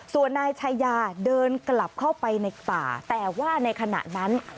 ส่วนนายชายาเดินกลับเข้าไปในป่าแต่ว่าในขณะนั้น